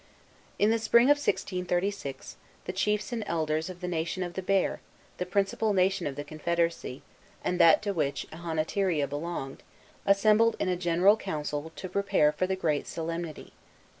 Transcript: In the spring of 1636, the chiefs and elders of the Nation of the Bear the principal nation of the Confederacy, and that to which Ihonatiria belonged assembled in a general council, to prepare for the great solemnity.